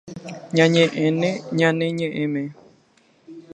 Ñañeʼẽne ñane ñeʼẽme.